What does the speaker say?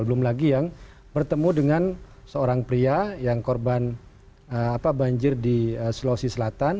belum lagi yang bertemu dengan seorang pria yang korban banjir di sulawesi selatan